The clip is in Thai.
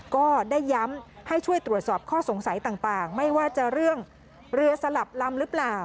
ก็ได้ย้ำให้ช่วยตรวจสอบข้อสงสัยต่างไม่ว่าจะเรื่องเรือสลับลำหรือเปล่า